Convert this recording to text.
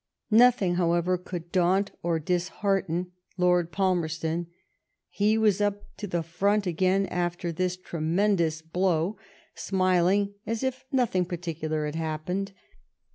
Nothing, however, could daunt or dishearten Lord Palmerston. He was up to the front again after this tremendous blow, smiling, and as if nothinL,' particular had happened.